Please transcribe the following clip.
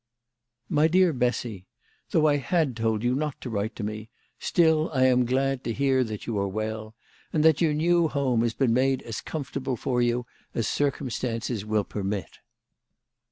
" My dear Bessy, Tkough I had told you not to write to me, still I am glad to hear that you are well, and that your new home has been made as comfortable 160 THE LADY OF LAUNAY. for you as circumstances will permit.